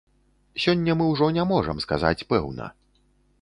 Сёння мы ўжо не можам сказаць пэўна.